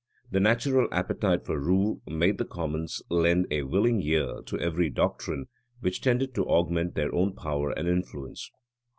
The natural appetite for rule made the commons lend a willing ear to every doctrine which tended to augment their own power and influence.